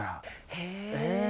へえ。